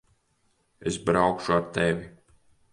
Es braukšu ar tevi.